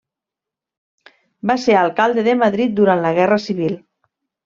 Va ser alcalde de Madrid durant la Guerra Civil.